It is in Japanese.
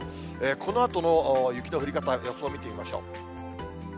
このあとの雪の降り方、予想を見てみましょう。